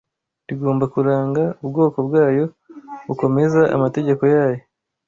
rigomba kuranga ubwoko bwayo bukomeza amategeko yayo